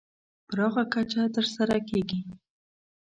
پراخه کچه تر سره کېږي.